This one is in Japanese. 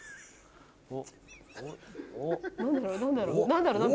何だろう？